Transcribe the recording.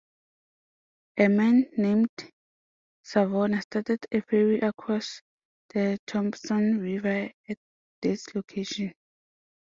A man named Savona started a ferry across the Thompson River at this location.